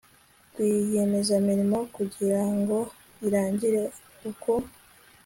Rwiyemezamirimo kugra ngo irangire uko